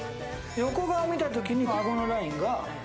横顔見たときにあごのラインが。